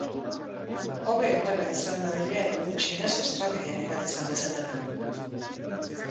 Hobe horrela izan dadila edo, gutxienez, estrategiaren bat izan dezatela.